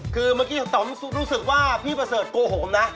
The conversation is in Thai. คือเมื่อกี้ต่อมรู้สึกว่าพี่ประเสริฐโกหกนะ